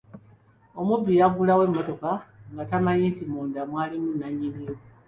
Omubbi yaggulawo emmotoka nga tamanyi nti munda mwalimu nannyini yo.